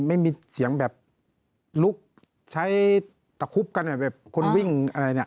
ไม่มีเสียงแบบลุกใช้ตะคุบกันแบบคนวิ่งอะไรเนี่ย